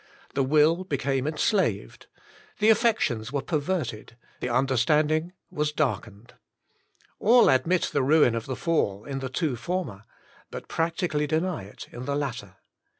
The will became enslaved, the affections were perverted, the understanding was darkened. All admit the ruin of the fall in the two former, but practically deny it in the latter.